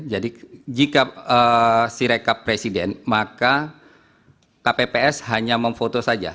jadi jika sirecap presiden maka kpps hanya memfoto saja